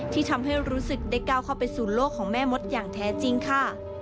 ที่ทำให้รู้สึกได้ก้าวเข้าไปสู่โลกของแม่มดอย่างแท้จริงค่ะ